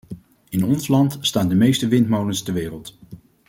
In ons land staan de meeste windmolens ter wereld.